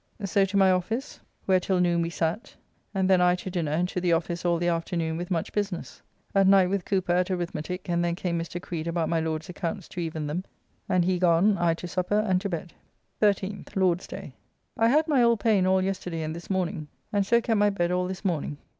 So to my office, where till noon we sat, and then I to dinner and to the office all the afternoon with much business. At night with Cooper at arithmetique, and then came Mr. Creed about my Lord's accounts to even them, and he gone I to supper and to bed. 13th (Lord's day).... I had my old pain all yesterday and this morning, and so kept my bed all this morning.